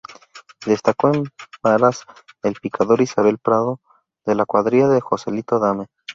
Destacó en varas el picador Isabel Prado de la cuadrilla de Joselito Adame.